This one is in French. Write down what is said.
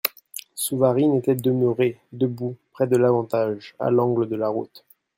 Souvarine était demeuré debout, près de l'Avantage, à l'angle de la route.